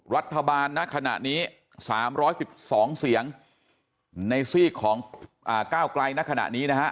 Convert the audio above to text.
รัฐบาลณขณะนี้๓๑๒เสียงในซีกของก้าวไกลในขณะนี้นะฮะ